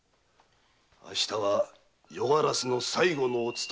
明日は夜鴉の最後のお勤めだ。